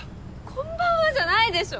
「こんばんは」じゃないでしょ。